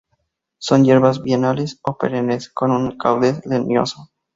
Son hierbas bienales o perennes con un caudex leñoso.